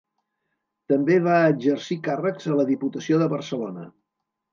També va exercir càrrecs a la Diputació de Barcelona.